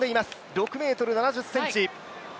６ｍ７０ｃｍ。